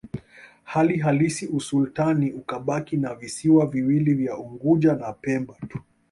Hali halisi usultani ukabaki na visiwa viwili vya Unguja na Pemba tu